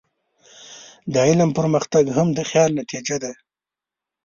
د علم پرمختګ هم د خیال نتیجه ده.